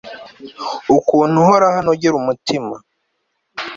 ukuntu uhoraho anogera umutima